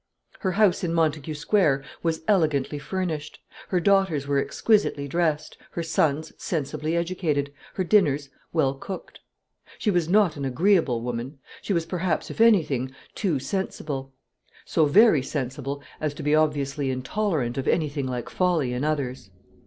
Her house in Montague Square was elegantly furnished, her daughters were exquisitely dressed, her sons sensibly educated, her dinners well cooked. She was not an agreeable woman; she was perhaps, if any thing, too sensible, so very sensible as to be obviously intolerant of anything like folly in others.